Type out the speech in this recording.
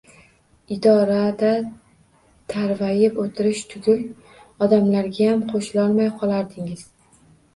Idorada tarvayib o‘tirish tugul, odamlargayam qo‘shilolmay qolardingiz